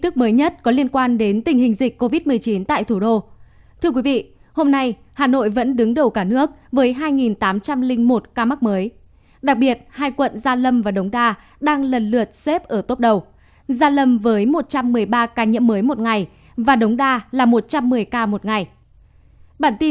các bạn hãy đăng ký kênh để ủng hộ kênh của chúng mình nhé